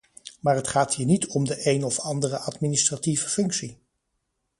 Maar het gaat hier niet om de een of andere administratieve functie.